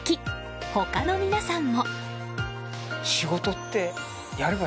他の皆さんも。